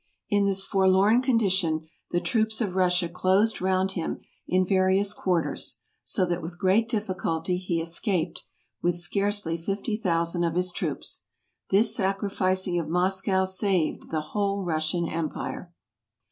In this forlorn condition the troops of Russia closed round him in various quarters, so that with great difficulty he escaped, with scarcely fifty thousand of his troops. This sa¬ crificing of Moscow saved the whole Russian empire.